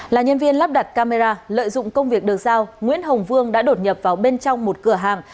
là nhân viên lắp đặt camera lợi dụng công việc được giao nguyễn hồng vương đã đột nhập vào bên trong một cửa hàng